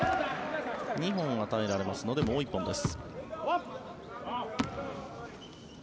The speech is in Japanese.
２本与えられますのでもう１本です。